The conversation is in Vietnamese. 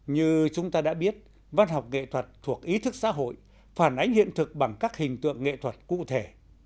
như chúng ta đã biết văn học nghệ thuật thuộc ý thức xã hội phản ánh hiện thực bằng các hình tượng nghệ thuật cụ thể